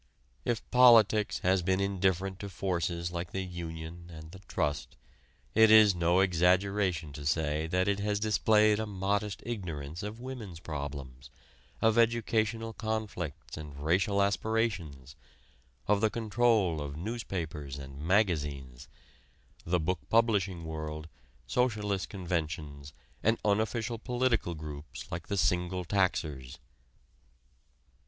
If "politics" has been indifferent to forces like the union and the trust, it is no exaggeration to say that it has displayed a modest ignorance of women's problems, of educational conflicts and racial aspirations; of the control of newspapers and magazines, the book publishing world, socialist conventions and unofficial political groups like the single taxers.